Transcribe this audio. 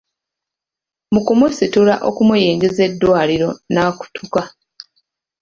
Mu kumusitula okumuyingiza eddwaliro n’akutuka.